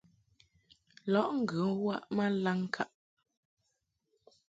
Lɔʼ ŋgə waʼ ma laŋŋkaʼ.